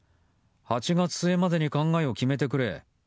８月末までに考えを決めてくれ。